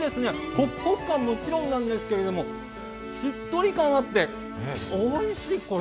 ほくほく感はもちろんなんですけどしっとり感があって、おいしい、これ。